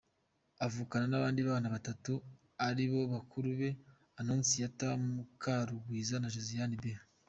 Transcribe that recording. Avukana n’abandi bana batatu ari bo bakuru be Annonciatta Mukarungwiza na Josiane B.